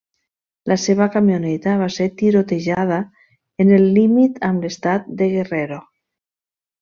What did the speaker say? La seva camioneta va ser tirotejada en el límit amb l'estat de Guerrero.